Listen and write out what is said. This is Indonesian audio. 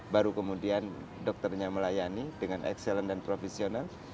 baru kemudian dokternya melayani dengan excellent dan profesional